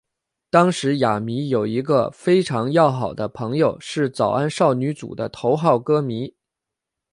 当时亚弥有一个非常要好的朋友是早安少女组的头号歌迷。